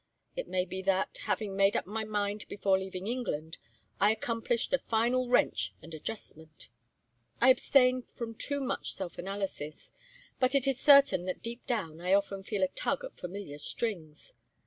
It may be that, having made up my mind before leaving England, I accomplished a final wrench and adjustment. I abstain from too much self analysis; but it is certain that down deep I often feel a tug at familiar strings.